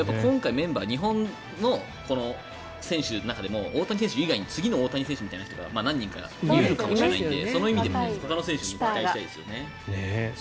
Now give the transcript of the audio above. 今回、日本の選手の中でも大谷選手以外に次の大谷選手みたいな人が何人かいるかもしれないのでその意味でもほかの選手にも期待したいですよね。